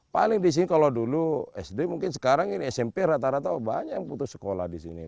paling di sini kalau dulu sd mungkin sekarang ini smp rata rata banyak yang putus sekolah di sini